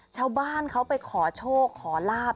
ชาวบ้านเขาไปขอโชคขอลาบ